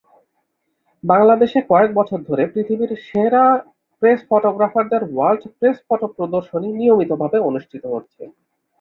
বাংলাদেশে কয়েক বছর ধরে পৃথিবীর সেরা প্রেস ফটোগ্রাফারদের ‘ওয়ার্ল্ড প্রেসফটো’ প্রদর্শনী নিয়মিতভাবে অনুষ্ঠিত হচ্ছে।